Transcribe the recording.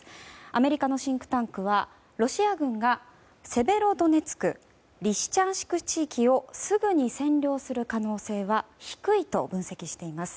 アメリカのシンクタンクはロシア軍がセベロドネツクリシチャンスク地域をすぐに占領する可能性は低いと分析しています。